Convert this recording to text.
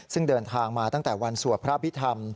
ซึ่งเดินทางมาตั้งแต่วันสวดพระพิธรรม